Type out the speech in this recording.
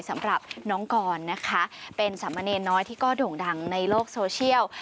สำหรับน้องกรนะคะเป็นสามเณรน้อยที่ก็โด่งดังในโลกโซเชียล